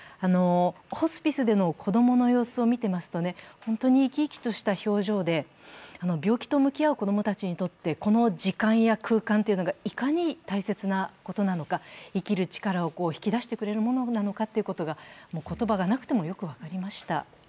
ホスピスでの子供の様子を見ていますと、本当に生き生きとした表情で病気と向き合う子供たちにとってこの時間や空間というのがいかに大切なことなのか生きる力を引き出してくれるものなのか、言葉がなくてもよく分かりました。